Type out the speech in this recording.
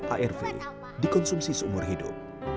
arv dikonsumsi seumur hidup